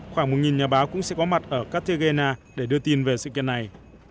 tôi đã có mặt ở cartagena để đưa tin về sự kiện này